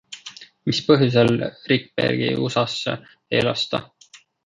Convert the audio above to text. Mis põhjusel Rikbergi USAsse ei lasta?